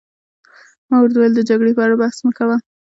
ما ورته وویل: د جګړې په اړه بحث مه کوه.